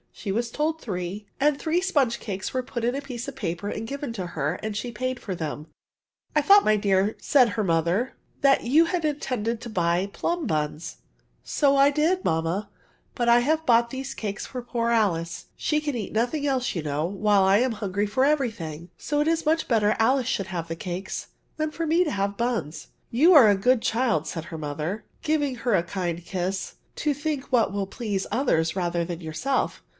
She was told three, and three I 2 88 ADVERBS. sponge cakeg were put up in a piece of paper and given to her, and she paid for them. ^' I thought, mj dear/' said her mother, " that you intended to huy plum buns V* " So I did, mamma; but I have bou{^ these cakes for poor Alice ; she can eat nothing else, you know, while I am himgiy for every thiog. So it is much better Alice should have tiie cakes than for me to have buns." ' You are a good child/' said her mother, giving her a kind kiss, " to think what will please others rather than yourself.